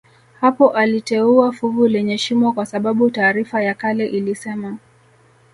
Hapo aliteua fuvu lenye shimo kwa sababu taarifa ya kale ilisema